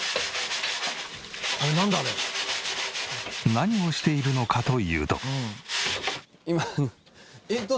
何をしているのかというと。